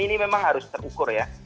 ini memang harus terukur ya